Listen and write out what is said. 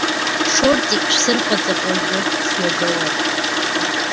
Шортик шәсырҟаҵап уажәы, сҩагылар!